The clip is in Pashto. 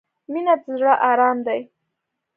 • مینه د زړۀ ارام دی.